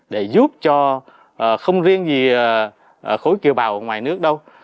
để giúp cho không riêng gì khối kiều bào ở ngoài nước đâu